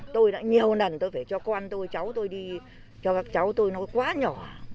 tôi đã nhiều lần tôi phải cho con tôi cháu tôi đi cho các cháu tôi nó quá nhỏ